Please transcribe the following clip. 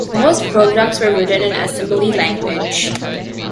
Most programs were written in assembly language.